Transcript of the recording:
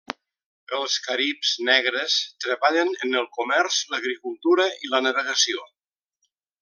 Els caribs negres treballen en el comerç, l'agricultura i la navegació.